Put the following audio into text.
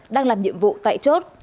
đang làm nhiệm vụ tại chốt